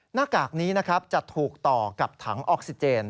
หน้ากากนี้นะครับจะถูกต่อกับถังออกซิเจน